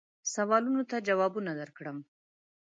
سوالونو ته جوابونه درکړم.